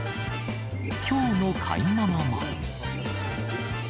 きょうの買い物も。